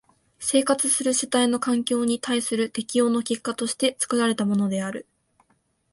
生活する主体の環境に対する適応の結果として作られたものである。